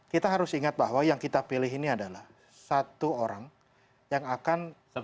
kita harus ingat bahwa yang kita pilih ini adalah satu orang yang akan